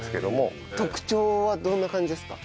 特徴はどんな感じですか？